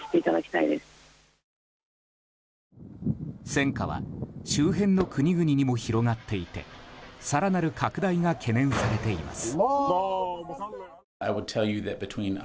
戦火は周辺の国々にも広がっていて更なる拡大が懸念されています。